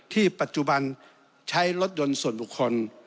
ปัจจุบันใช้รถยนต์ส่วนบุคคล